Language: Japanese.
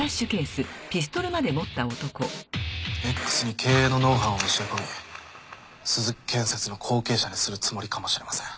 Ｘに経営のノウハウを教え込み鈴木建設の後継者にするつもりかもしれません。